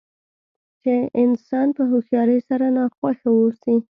چې انسان په هوښیارۍ سره ناخوښه واوسي.